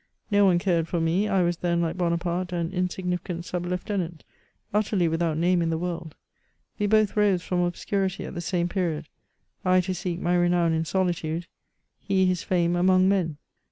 No one cared for me ; I was then, like Bonaparte, an insignificant sub lieutenant, utterly without name in the world ; we both rose from obscurity at the same period, I to seek my renown in solitude, he his fame among men.